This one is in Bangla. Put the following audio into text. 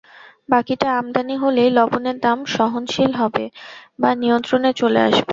বাকিটা আমদানি হলেই লবণের দাম সহনশীল হবে বা নিয়ন্ত্রণে চলে আসবে।